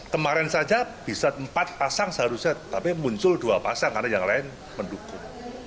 kemarin saja bisa empat pasang seharusnya tapi muncul dua pasang karena yang lain mendukung